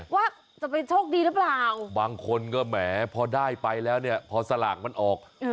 ว่าจะไปโชคดีหรือเปล่าบางคนก็แหมพอได้ไปแล้วเนี่ยพอสลากมันออก